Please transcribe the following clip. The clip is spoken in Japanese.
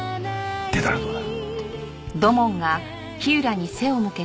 出たらどうだ。